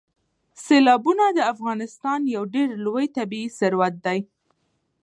سیلابونه د افغانستان یو ډېر لوی طبعي ثروت دی.